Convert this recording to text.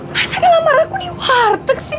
masa udah lamar aku di warteg sih